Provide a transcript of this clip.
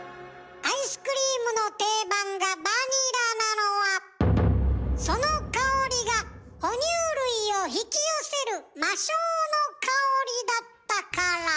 アイスクリームの定番がバニラなのはその香りが哺乳類を引き寄せる魔性の香りだったから。